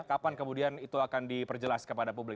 kapan kemudian itu akan diperjelas kepada publik